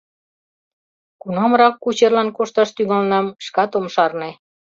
Кунамрак кучерлан кошташ тӱҥалынам — шкат ом шарне.